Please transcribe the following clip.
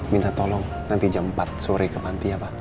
minta tolong nanti jam empat sore ke panti ya pak